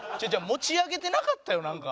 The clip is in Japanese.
持ち上げてなかったよなんか。